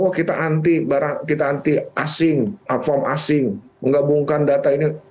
wah kita anti barang kita anti asing form asing menggabungkan data ini